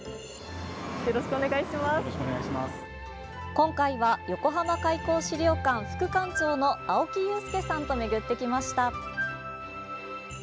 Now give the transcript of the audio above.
今回は横浜開港資料館副館長の青木祐介さんと巡ってきました。